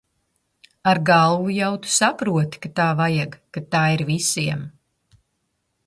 Ar galvu jau tu saproti, ka tā vajag, ka tā ir visiem.